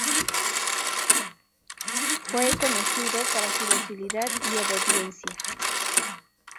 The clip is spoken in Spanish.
Foe conocido para su docilidad y obediencia.